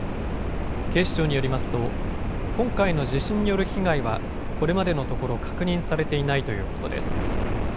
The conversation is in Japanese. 警視庁によりますと今回の地震による被害はこれまでのところ確認されていないということです。